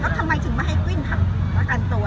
แล้วทำไมถึงไม่ให้วิ่งทำประกันตัว